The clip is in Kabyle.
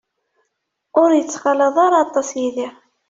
Ur ittxalaḍ ara aṭas Yidir.